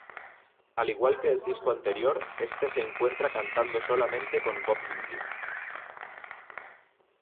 Al igual que el disco anterior, este se encuentra cantado solamente con voz limpia.